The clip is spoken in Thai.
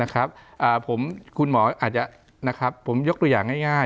คุณหมออาจจะผมยกตัวอย่างง่าย